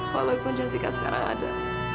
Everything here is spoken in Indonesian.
walaupun jessica sekarang ada